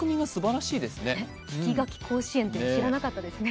聞き書き甲子園って知らなかったですね